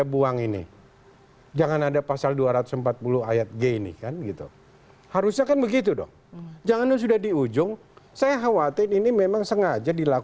bahkan ada fraksi mencabar